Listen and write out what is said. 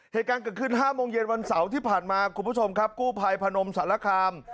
เหตุการณ์เกิดขึ้น๕โมงเย็นวันเสาร์ที่ผ่านมาคุณผู้ชมครับกู้ภัยพนมสารคาม